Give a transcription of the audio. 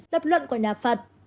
lập luận của nhà phật